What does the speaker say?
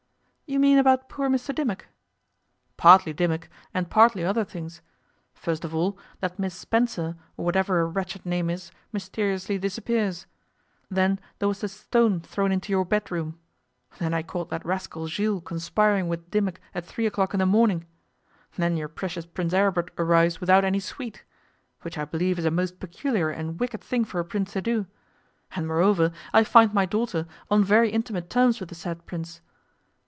'You mean about poor Mr Dimmock?' 'Partly Dimmock and partly other things. First of all, that Miss Spencer, or whatever her wretched name is, mysteriously disappears. Then there was the stone thrown into your bedroom. Then I caught that rascal Jules conspiring with Dimmock at three o'clock in the morning. Then your precious Prince Aribert arrives without any suite which I believe is a most peculiar and wicked thing for a Prince to do and moreover I find my daughter on very intimate terms with the said Prince.